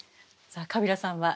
さあカビラさんは。